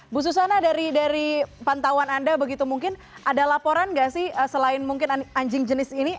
bu susana dari pantauan anda begitu mungkin ada laporan nggak sih selain mungkin anjing jenis ini